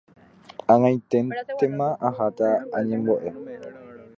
Ag̃aiténtema aháta añembo'e.